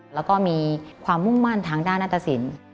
แล้วก็มีความมุ่งมั่นทางด้านนัตตสิน